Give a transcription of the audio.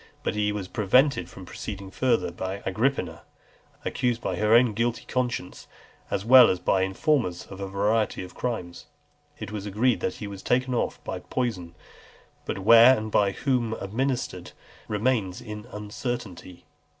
But he was prevented from proceeding further by Agrippina, accused by her own guilty conscience, as well as by informers, of a variety of crimes. It is agreed that he was taken off by poison; but where, and by whom administered, remains in uncertainty.